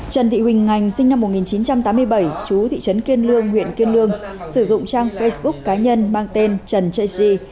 trần thị huỳnh ngành sinh năm một nghìn chín trăm tám mươi bảy chú thị trấn kiên lương huyện kiên lương sử dụng trang facebook cá nhân mang tên trần ji